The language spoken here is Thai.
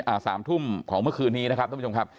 สามทุ่มของเมื่อคืนนี้นะครับท่านผู้ชมครับ